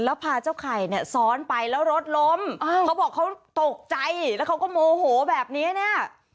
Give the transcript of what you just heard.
แล้วพาเจ้าไข่เนี่ยซ้อนไปแล้วรถล้มเขาบอกเขาตกใจแล้วเขาก็โมโหแบบนี้เนี่ย